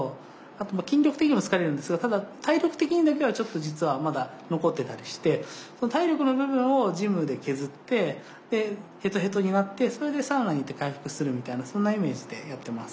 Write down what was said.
あと筋力的にも疲れるんですがただ体力的にだけはちょっと実はまだ残ってたりして体力の部分をジムで削ってヘトヘトになってそれでサウナ行って回復するみたいなそんなイメージでやってます。